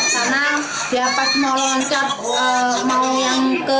karena dia pas mau loncat mau yang ke